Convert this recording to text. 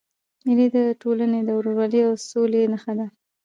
مېلې د ټولني د ورورولۍ او سولي نخښه ده.